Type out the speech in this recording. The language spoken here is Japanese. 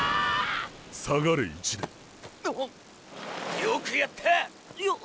よくやった。よ。